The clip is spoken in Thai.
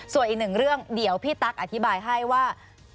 ส่วนอีกหนึ่งเรื่องเดี๋ยวพี่ตั๊กอธิบายให้ว่า